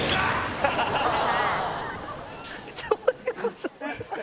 どういうこと？